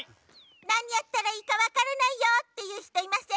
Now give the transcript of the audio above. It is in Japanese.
なにやったらいいかわからないよっていうひといません？